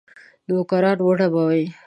نوکران وډبوي.